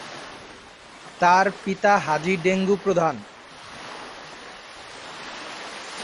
তার পিতা হাজী ডেঙ্গু প্রধান।